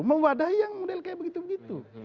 mewadahi yang model kayak begitu begitu